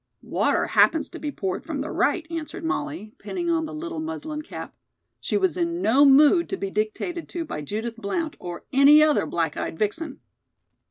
"Water happens to be poured from the right," answered Molly, pinning on the little muslin cap. She was in no mood to be dictated to by Judith Blount or any other black eyed vixen.